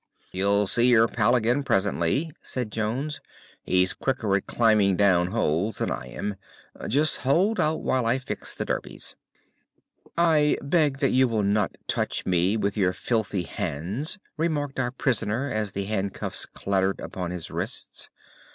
"You'll see your pal again presently," said Jones. "He's quicker at climbing down holes than I am. Just hold out while I fix the derbies." "I beg that you will not touch me with your filthy hands," remarked our prisoner as the handcuffs clattered upon his wrists.